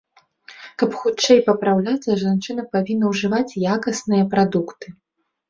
Каб хутчэй папраўляцца, жанчына павінна ўжываць якасныя прадукты.